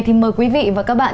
thì mời quý vị và các bạn